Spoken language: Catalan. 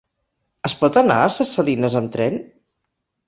Es pot anar a Ses Salines amb tren?